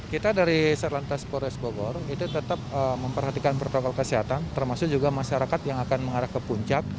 kita dari sarlantas polres bogor itu tetap memperhatikan protokol kesehatan termasuk juga masyarakat yang akan mengarah ke puncak